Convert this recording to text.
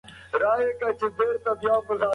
ساینس پوهان خبرداری ورکوي.